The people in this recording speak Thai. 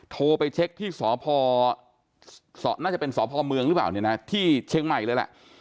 โทรไปเช็คที่สพน่าจะเป็นสพเมืองหรือเปล่าเนี่ยนะที่เชียงใหม่เลยแหละ